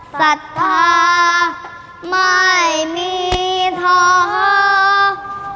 สัจภาพไม่มีทั้ง